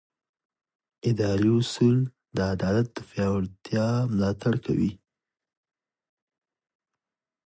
اداري اصول د عدالت د پیاوړتیا ملاتړ کوي.